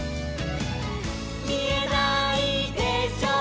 「みえないでしょう